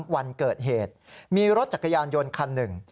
วันเกิดเหตุมีรถจักรยานยนต์คันหนึ่ง